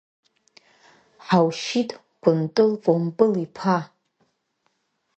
Ҳаушьит Кәынтыл Кәымпыл-иԥа.